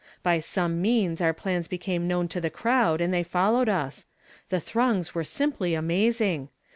By some means our plans became known to the crowd, and they followed us. Tlie throngs were simply amazing.